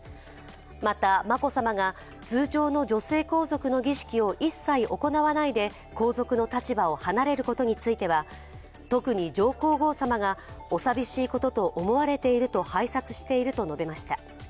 また、眞子さまが通常の女性皇族の儀式を一切行わないで皇族の立場を離れることについては特に上皇后さまがお寂しいことと思われていると拝察していると述べました。